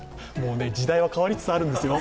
時代は変わりつつあるんですよ。